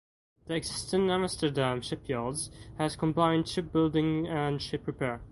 The existing Amsterdam shipyards had combined shipbuilding and ship repair.